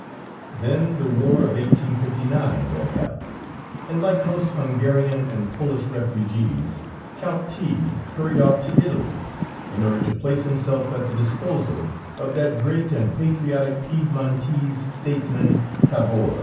Then the war of 1859 broke out, and like most Hungarian and Polish refugees, Count T hurried off to Italy, in order to place himself at the disposal of that great and patriotic Piedmontese statesman, Cavour.